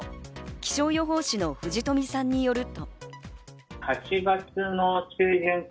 気象予報士の藤富さんによると。